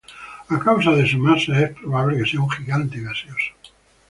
A causa de su masa, es probable que sea un gigante gaseoso.